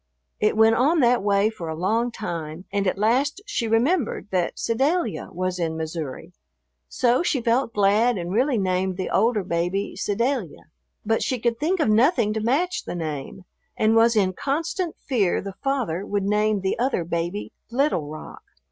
It went on that way for a long time and at last she remembered that Sedalia was in Missouri, so she felt glad and really named the older baby "Sedalia." But she could think of nothing to match the name and was in constant fear the father would name the other baby "Little Rock."